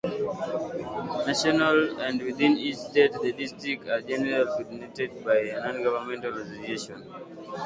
Nationally and within each state, the districts are generally coordinated by non-governmental associations.